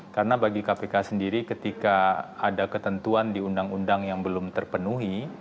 karena bagi kpk sendiri ketika ada ketentuan di undang undang yang belum terpenuhi